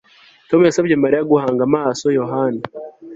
Tom yasabye Mariya guhanga amaso Yohana